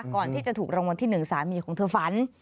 ก่อนที่จะถูกรางวัลที่๑สามีของเธอฝัน